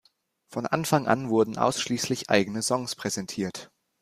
Von Anfang an wurden ausschließlich eigene Songs präsentiert.